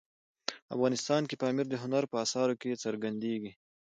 افغانستان کې پامیر د هنر په اثارو کې څرګندېږي.